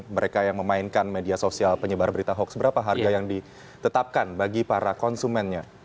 mereka yang memainkan media sosial penyebar berita hoax berapa harga yang ditetapkan bagi para konsumennya